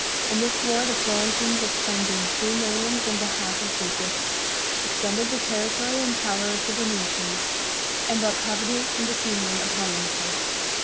In this war the Florentines expended three millions and a half of ducats, extended the territory and power of the Venetians, and brought poverty and disunion upon themselves.